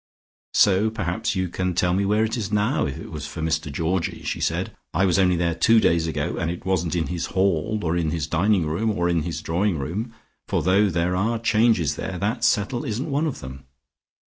"So perhaps you can tell me where it is now, if it was for Mr Georgie," she said. "I was there only two days ago, and it wasn't in his hall, or in his dining room, or in his drawing room, for though there are changes there, that settle isn't one of them.